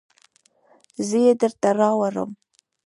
زه یې درته راوړم